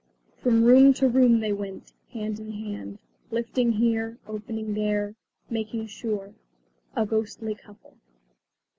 From room to room they went, hand in hand, lifting here, opening there, making sure a ghostly couple.